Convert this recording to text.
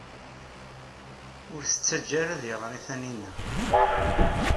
Ur t-ttajja ad iɣer i Taninna.